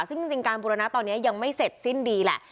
ซึ่งจริงการบูรณะตอนนี้ยังไม่เสร็จสิ้นดีแหละ